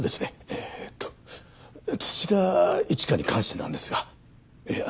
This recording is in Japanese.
えっと土田一花に関してなんですがええ